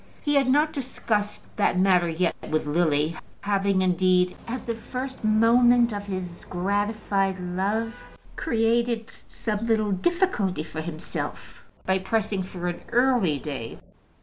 He had not discussed that matter yet with Lily, having, indeed, at the first moment of his gratified love, created some little difficulty for himself by pressing for an early day.